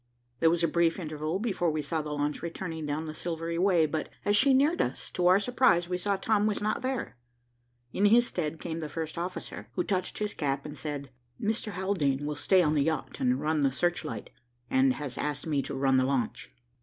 There was a brief interval before we saw the launch returning down the silvery way, but, as she neared us, to our surprise we saw Tom was not there. In his stead came the first officer, who touched his cap, and said, "Mr. Haldane will stay on the yacht and run the search light, and has asked me to run the launch."